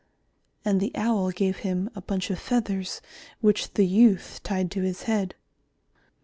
And the Owl gave him a bunch of feathers, which the youth tied to his head.